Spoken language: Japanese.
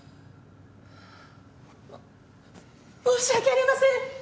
申し訳ありません！